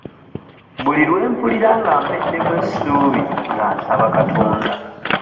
Buli lwe mpulira nga mpeddemu essuubi nga nsaba Katonda.